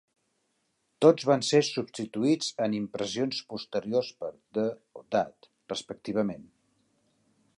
Tots van ser substituïts en impressions posteriors per "the" o "that", respectivament.